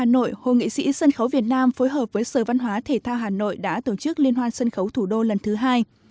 hà nội hội nghệ sĩ sân khấu việt nam phối hợp với sở văn hóa thể thao hà nội đã tổ chức liên hoan sân khấu thủ đô lần thứ hai